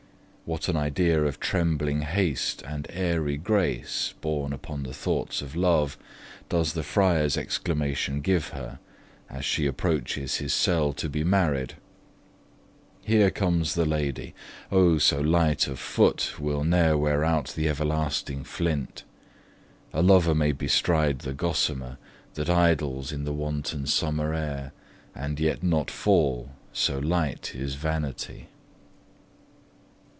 What an idea of trembling haste and airy grace, borne upon the thoughts of love, does the Friar's exclamation give of her, as she approaches his cell to be married: Here comes the lady. Oh, so light of foot Will ne'er wear out the everlasting flint: A lover may bestride the gossamer, That idles in the wanton summer air, And yet not fall, so light is vanity.